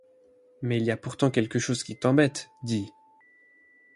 Mais il y a pourtant quelque chose qui t'embête, dis ?